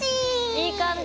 いい感じ？